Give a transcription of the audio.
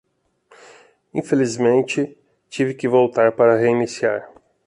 Infelizmente, tive que voltar para reiniciar.